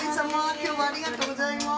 今日はありがとうございます。